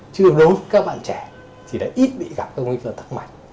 chứ đối với các bạn trẻ thì đã ít bị gặp các nguy cơ tắc mạch